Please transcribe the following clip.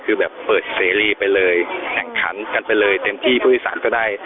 คือแบบเปิดเสรีไปเลยแข่งขันกันไปเลยเต็มที่ผู้โดยสารก็ได้